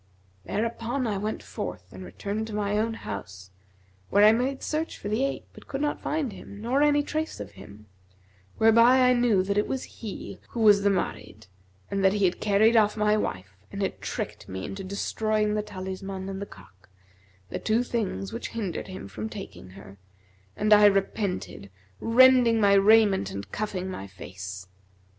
Thereupon I went forth and returned to my own house, where I made search for the ape but could not find him nor any trace of him; whereby I knew that it was he who was the Marid, and that he had carried off my wife and had tricked me into destroying the talisman and the cock, the two things which hindered him from taking her, and I repented, rending my raiment and cuffing my face.